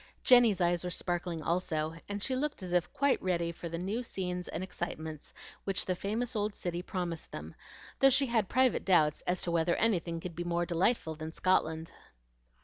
Jenny's eyes were sparkling also, and she looked as if quite ready for the new scenes and excitements which the famous old city promised them, though she had private doubts as to whether anything could be more delightful than Scotland.